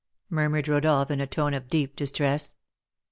murmured Rodolph, in a tone of deep distress.